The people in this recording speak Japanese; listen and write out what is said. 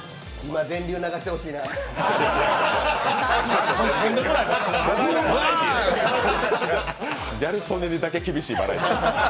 電流流してほしいなギャル曽根にだけ厳しい笑い。